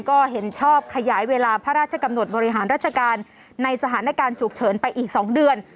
ก็เห็นชอบขยายเวลาพระราชกำหนดบริหารราชการในสถานการณ์ฉุกเฉินไปอีก๒เดือน